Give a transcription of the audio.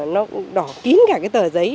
nó đỏ kín cả cái tờ giấy